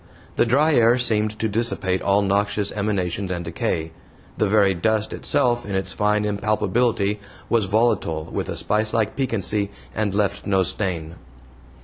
The dry air seemed to dissipate all noxious emanations and decay the very dust itself in its fine impalpability was volatile with a spicelike piquancy, and left no stain.